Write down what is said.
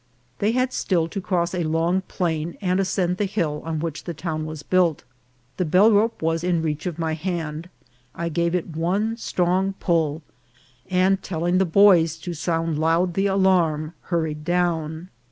They had still to cross a long plain and ascend the hill on which the town was built. The bellrope was in reach of my hand ; I gave it one strong pull, and telling the boys to sound loud the alarm, hurried down.